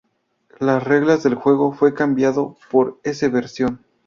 Las reglas del juego fue cambiado por ese versión.